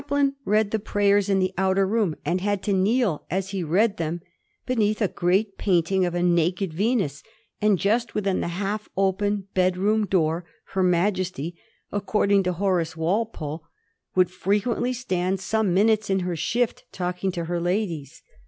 115 lain read the prayers in the outer room, and had to kneel, as he read them, beneath a great painting of a naked Venus; and just within the half open bedroom door her Majesty, according to Horace Walpole, '^ would frequent ly stand some minutes in her shift, talking to her ladies."